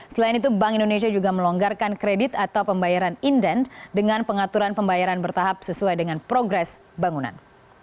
selain itu bank indonesia juga melonggarkan kredit atau pembayaran inden dengan pengaturan pembayaran bertahap sesuai dengan progres bangunan